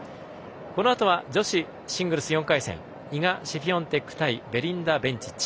このあとは女子シングルス４回戦イガ・シフィオンテク対ベリンダ・ベンチッチ。